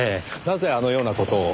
なぜあのような事を？